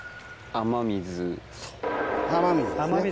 雨水ですね。